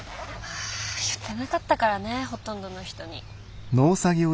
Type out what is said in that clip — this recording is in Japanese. ああ言ってなかったからねほとんどの人に。